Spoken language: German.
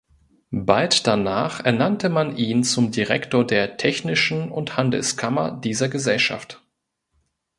Bald danach ernannte man ihn zum Direktor der Technischen und Handelskammer dieser Gesellschaft.